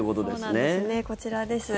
そうなんですねこちらです。